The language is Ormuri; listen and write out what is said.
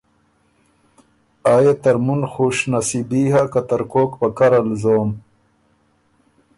آ يې تُرمُن خوش نصیبي هۀ که ترکوک په کرل زوم۔